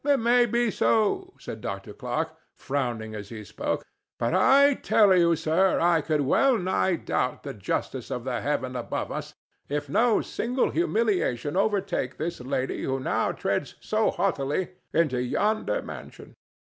"It may be so," said Dr. Clarke, frowning as he spoke; "but I tell you, sir, I could wellnigh doubt the justice of the Heaven above us if no signal humiliation overtake this lady who now treads so haughtily into yonder mansion.